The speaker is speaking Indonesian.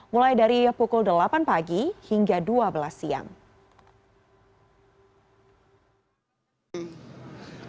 mulai dari pukul delapan pagi hingga dua belas siang